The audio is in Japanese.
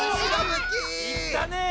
いったねぇ！